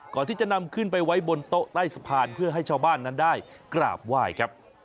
ก่อนที่จะนำขึ้นไปไว้บนโต๊ะใต้สะพานเพื่อให้ชาวบ้านนั้นได้กราบไหว้ครับ